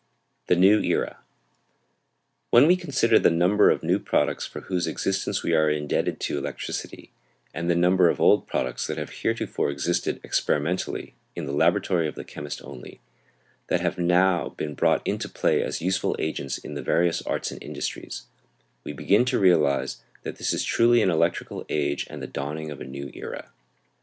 THE NEW ERA. When we consider the number of new products for whose existence we are indebted to electricity, and the number of old products that have heretofore existed experimentally, in the laboratory of the chemist only, that have now been brought into play as useful agents in the various arts and industries, we begin to realize that this is truly an electrical age and the dawning of a new era.